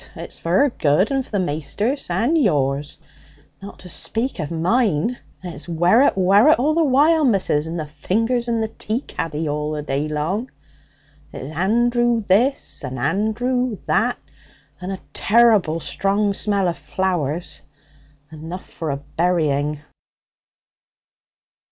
It's for 'er good, and for the maister's and yours, not to speak of mine. It's werrit, werrit, all the while, missus, and the fingers in the tea caddy the day long! It's Andrew this and Andrew that, and a terrible strong smell of flowers enough for a burying.'